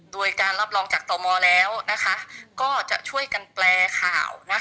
โดยการรับรองจากตมแล้วก็จะช่วยกันแปลข่าว